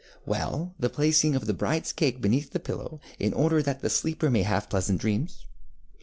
ŌĆØ ŌĆ£Well, the placing of the brideŌĆÖs cake beneath the pillow in order that the sleeper may have pleasant dreams.